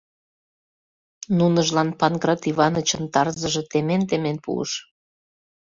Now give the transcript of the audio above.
Нуныжлан Панкрат Иванычын тарзыже темен-темен пуыш.